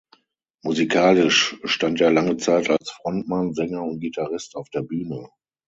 Musikalisch stand er lange Zeit als Frontmann, Sänger und Gitarrist auf der Bühne.